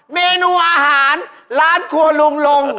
เมนูอาหารร้านครัวลุงลง